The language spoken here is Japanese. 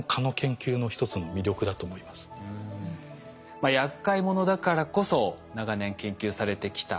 まあやっかい者だからこそ長年研究されてきた蚊。